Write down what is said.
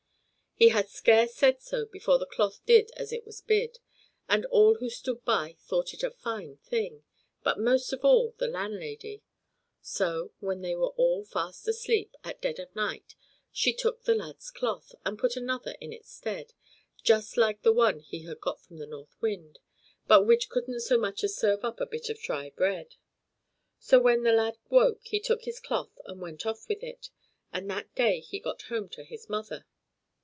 He had scarce said so before the cloth did as it was bid; and all who stood by thought it a fine thing, but most of all the landlady. So, when all were fast asleep, at dead of night, she took the lad's cloth, and put another in its stead, just like the one he had got from the North Wind, but which couldn't so much as serve up a bit of dry bread. So, when the lad woke, he took his cloth and went off with it, and that day he got home to his mother.